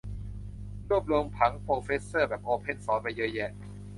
รวบรวมผังโพรเซสเซอร์แบบโอเพนซอร์สไว้เยอะแยะ